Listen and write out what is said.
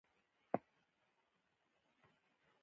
شطرنج د ذهن لوبه ده